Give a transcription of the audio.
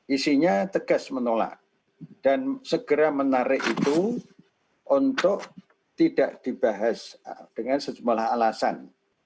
isinya tegas menolak dan segera menarik itu untuk tidak dibahas dengan sejumlah alasan